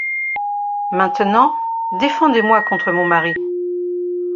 Maintenant, défendez-moi contre mon mari.